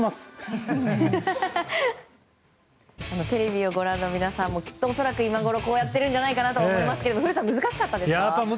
テレビをご覧の皆さんもきっと恐らく今ごろこうやってるんじゃないかなと思いますが難しかったです。